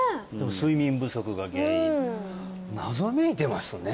睡眠不足が原因謎めいてますね